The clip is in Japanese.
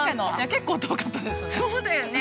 結構遠かったですね。